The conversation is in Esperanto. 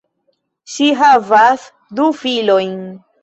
Ŝi havas du filojn.